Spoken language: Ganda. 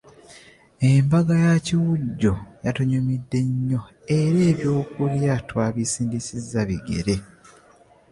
Embaga ya Kiwujjo yatunyumidde nnyo era ebyokulya twabisindisizza bigere.